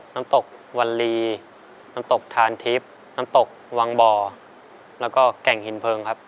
น้ำตกวันลีน้ำตกทานทิพย์น้ำตกวังบ่อแล้วก็แก่งหินเพลิงครับ